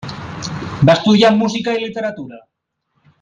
Va estudiar música i literatura.